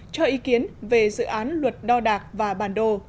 cho ý kiến về dự án luật đo đạc và bản đồ